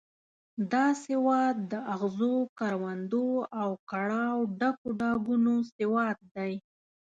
دا سواد د اغزنو کروندو او کړاوه ډکو ډاګونو سواد دی.